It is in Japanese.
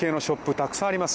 たくさんあります。